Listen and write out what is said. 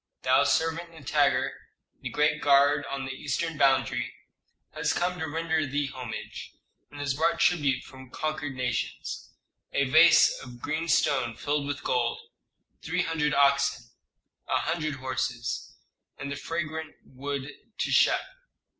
Thy servant Nitager, the great guard on the eastern boundary, has come to render thee homage, and has brought tribute from conquered nations: a vase of green stone filled with gold, three hundred oxen, a hundred horses, and the fragrant wood teshep."